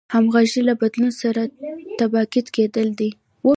همغږي له بدلون سره تطابق کېدل دي.